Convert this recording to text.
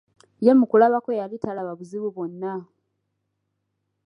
ye mu kulaba kwe yali talaba buzibu bwonna.